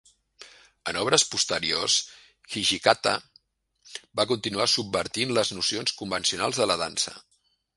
En obres posteriors, Hijikata va continuar subvertint les nocions convencionals de la dansa.